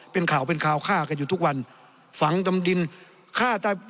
เป็นข่าวเป็นข่าวฆ่ากันอยู่ทุกวันฝังดำดินฆ่าตาย